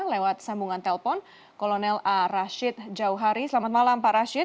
lewat sambungan telpon kolonel a rashid jauhari selamat malam pak rashid